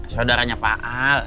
saudaranya pak al